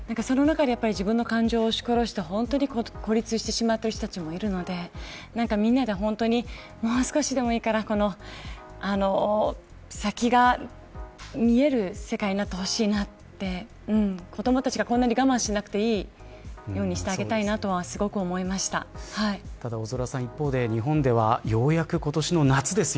その中でも自分の感情をおし殺して孤立してしまっている人もいるのでみんなで、もう少しでもいいから先が見える世界になってほしいなと子どもたちがこんなに我慢しなくていいようにしてあげたいなと大空さん、一方で日本ではようやく今年の夏です。